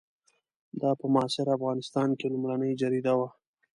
دا په معاصر افغانستان کې لومړنۍ جریده وه.